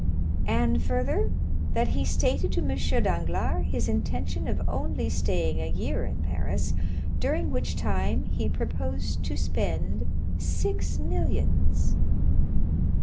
"And, further, that he stated to M. Danglars his intention of only staying a year in Paris, during which time he proposed to spend six millions.